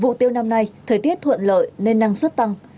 vụ tiêu năm nay thời tiết thuận lợi nên năng suất tăng